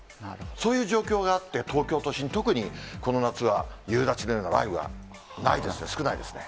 そういう状況があって、東京都心、特にこの夏は夕立のような雷雨がないですね、少ないですね。